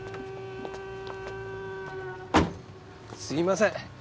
すいません。